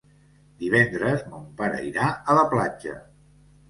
Divendres mon pare irà a la platja.